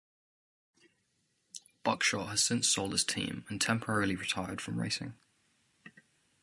Buckshot has since sold his team and temporarily retired from racing.